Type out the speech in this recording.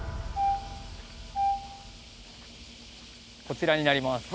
こちらになります。